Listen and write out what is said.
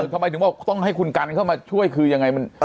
ทำไมถึงบอกต้องให้คุณกันเข้ามาช่วยคือยังไง